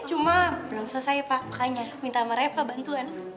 cuma belum selesai pak makanya minta sama repa bantuan